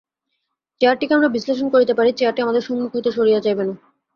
চেয়ারটিকে আমরা বিশ্লেষণ করিতে পারি, চেয়ারটি আমাদের সম্মুখ হইতে সরিয়া যাইবে না।